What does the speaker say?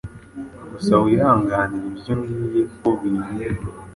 Gusa wihanganire ibyo ngiye kukubwira;